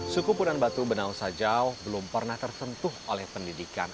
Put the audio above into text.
suku punan batu benau sajau belum pernah tersentuh oleh pendidikan